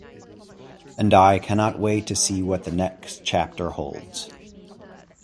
And I cannot wait to see what the next chapter holds.